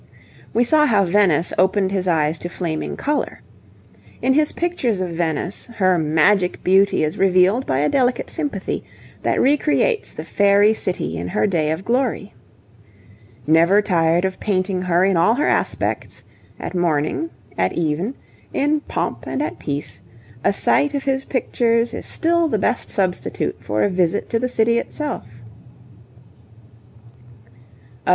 We saw how Venice opened his eyes to flaming colour. In his pictures of Venice, her magic beauty is revealed by a delicate sympathy, that re creates the fairy city in her day of glory. Never tired of painting her in all her aspects, at morning, at even, in pomp, and at peace, a sight of his pictures is still the best substitute for a visit to the city itself.